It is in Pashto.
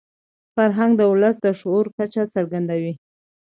فرهنګ د ولس د شعور کچه څرګندوي.